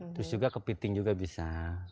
terus juga kepiting juga bisa